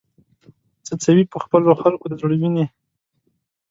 څڅوې په خپلو خلکو د زړه وینې